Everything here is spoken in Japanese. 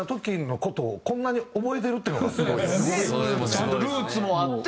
ちゃんとルーツもあって。